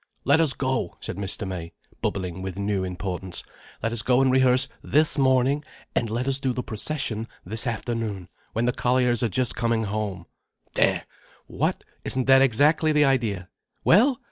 "Let us go," said Mr. May, bubbling with new importance. "Let us go and rehearse this morning, and let us do the procession this afternoon, when the colliers are just coming home. There! What? Isn't that exactly the idea? Well!